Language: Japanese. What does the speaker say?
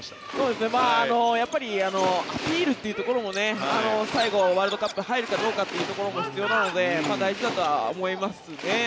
やっぱりアピールというところも最後、ワールドカップ入るかどうかというところも必要なので大事だとは思いますね。